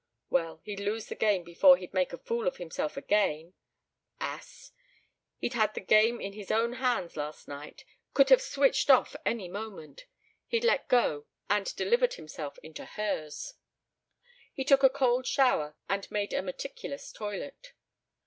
Well, he'd lose the game before he'd make a fool of himself again. ... Ass ... he'd had the game in his own hands last night ... could have switched off any moment. He'd let go and delivered himself into hers. He took a cold shower, and made a meticulous toilet.